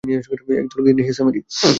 একদল বলল, হে সামিরী!